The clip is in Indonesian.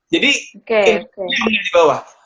jadi ini turun dibawah